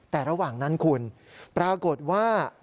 แต่ระหว่างนั้นคุณปรากฏว่า